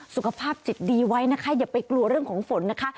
สุขภาพจิตดีไว้นะคะอย่าไปกลัวเรื่องของฝนนะคะ